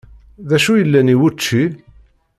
D acu yellan i wučči?